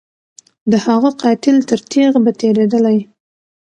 د هغه قاتل تر تیغ به تیریدلای